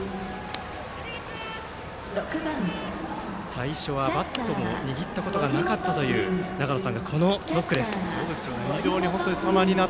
最初はバットも握ったことがなかったという永野さんのこのノックです。